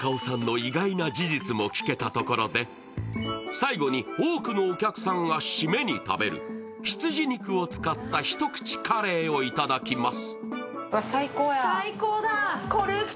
最後に、多くのお客さんが締めに食べる羊肉を使ったひとくちカレーをいただきます。